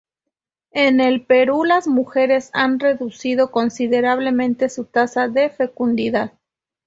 En el Perú las mujeres han reducido considerablemente su tasa de fecundidad.